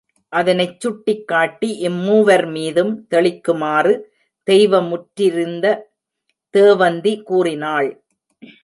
அதனைச் சுட்டிக் காட்டி இம்மூவர் மீதும் தெளிக்குமாறு தெய்வ முற்றிருந்த தேவந்தி கூறினாள்.